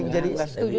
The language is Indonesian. enggak gak setuju